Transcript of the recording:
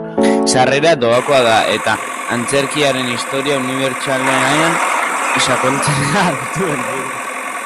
Sarrera doakoa da eta antzerkiaren historia unibertsalean sakontzea du helburu.